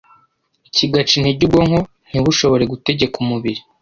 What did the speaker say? kigaca intege ubwonko ntibushobore gutegeka umubiri